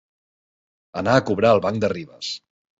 Anar a cobrar al banc de Ribes.